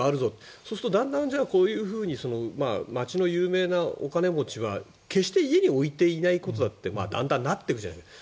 そうするとだんだんこういうふうに街の有名なお金持ちは決して家に置いていないことだってだんだんなっていくじゃないですか。